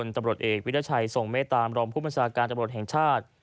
ตำรวจเอกวิรัชัยทรงเมตตามรองผู้บัญชาการตำรวจแห่งชาติ